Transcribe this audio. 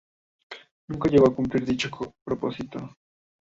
Nunca llegó a cumplir dicho propósito.